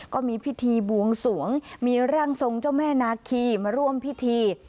ก็มีพิธีบวงสวงมีร่างทรงเจ้าแม่นาคีมาร่วมพิธี